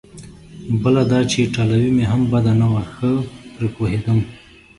بله دا چې ایټالوي مې هم بده نه وه، ښه پرې پوهېدم.